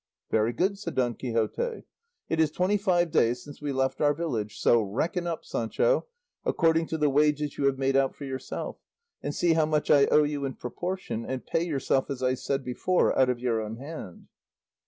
"Very good," said Don Quixote; "it is twenty five days since we left our village, so reckon up, Sancho, according to the wages you have made out for yourself, and see how much I owe you in proportion, and pay yourself, as I said before, out of your own hand."